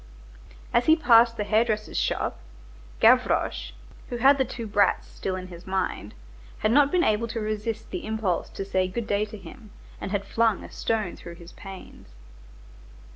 As he passed the hair dresser's shop Gavroche, who had the two brats still in his mind, had not been able to resist the impulse to say good day to him, and had flung a stone through his panes.